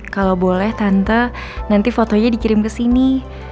kalau boleh tante nanti fotonya dikirim kesini